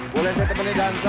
boleh saya temani dansa